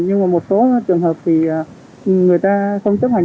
nhưng mà một số trường hợp thì người ta không chấp hành